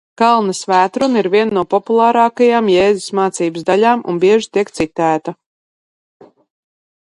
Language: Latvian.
Kalna svētruna ir viena no populārākajām Jēzus mācības daļām un bieži tiek citēta.